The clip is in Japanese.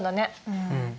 うん。